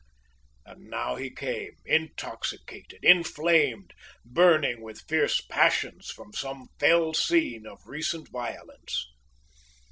And now he came, intoxicated, inflamed, burning with fierce passions from some fell scene of recent violence!